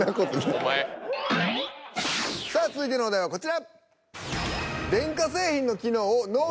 さあ続いてのお題はこちら。